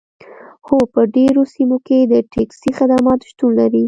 هو په ډیرو سیمو کې د ټکسي خدمات شتون لري